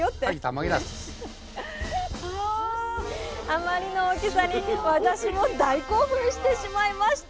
あまりの大きさに私も大興奮してしまいました。